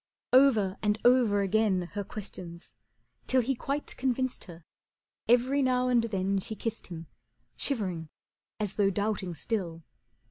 Over and over again her questions, till He quite convinced her, every now and then She kissed him, shivering as though doubting still.